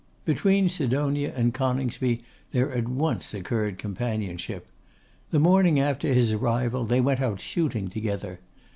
Between Sidonia and Coningsby there at once occurred companionship. The morning after his arrival they went out shooting together.